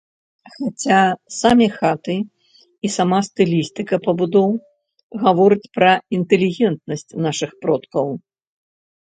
Хаця самі хаты і сама стылістыка пабудоў гаворыць пра інтэлігентнасць нашых продкаў.